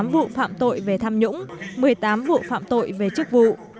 một mươi tám vụ phạm tội về tham nhũng một mươi tám vụ phạm tội về chức vụ